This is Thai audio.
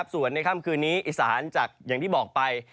ส่วนในค่ำคืนนี้อีสานจากอย่างที่บอกไป